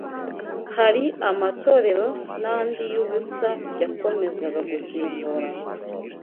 Hari amatorero n’andi y’ubusa yakomezaga gusimburana